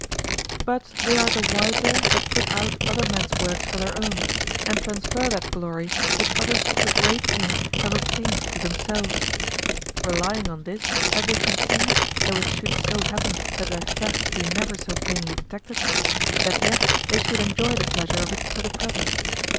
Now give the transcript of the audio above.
But they are the wiser that put out other men's works for their own, and transfer that glory which others with great pains have obtained to themselves; relying on this, that they conceive, though it should so happen that their theft be never so plainly detected, that yet they should enjoy the pleasure of it for the present.